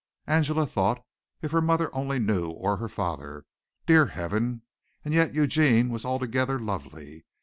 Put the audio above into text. Angela thought. If her mother only knew, or her father. Dear Heaven! And yet Eugene was altogether lovely.